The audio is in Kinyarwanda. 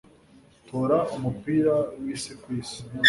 tora umupira wisi kwisi